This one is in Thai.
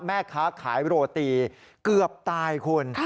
แม่ค้าขายโรตีเกือบตายคุณ